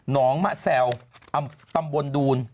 น้องมะแซวตำบลดูน